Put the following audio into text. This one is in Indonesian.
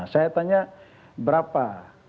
saya tanya berapa